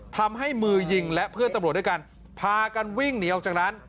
ทำให้มือยิงและเพื่อนตำรวจด้วยกันพากันวิ่งหนีออกจากนั้น